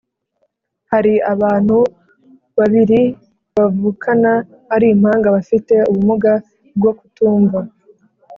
hari abantu babiri bavukana ari impanga bafite ubumuga bwo kutumva